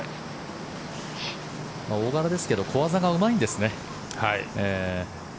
大柄ですけど小技がうまいんですね。